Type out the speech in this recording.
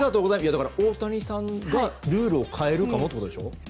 大谷さんがルールを変えるかもってことでしょ？